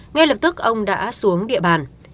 ngay lập tức ông đã xuống địa bàn